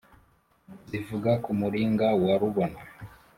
zivuga ku muringa wa rubona